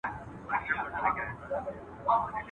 د تاریخي کرنې خاوره ډبرینه وه.